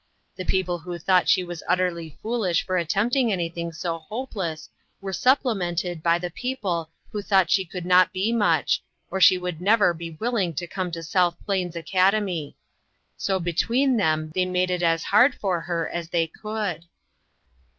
The people who thought she was utterly foolish for attempt ing anything so hopeless, were supplemented by the people who thought she could not be much, or she would never be willing to come to South Plains Academy. So between them they made it as hard for her as they could.